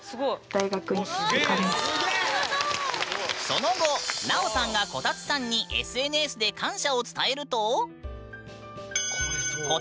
その後なおさんがこたつさんにＳＮＳで感謝を伝えるとえ！